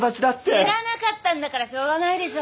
知らなかったんだからしょうがないでしょ！